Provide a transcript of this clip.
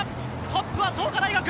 トップは創価大学。